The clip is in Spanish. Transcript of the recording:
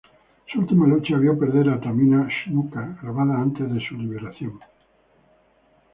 Su última lucha vio perder a Tamina Snuka, grabada antes de su liberación.